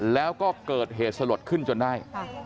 แล้วก็เกิดเหตุสลดขึ้นจนได้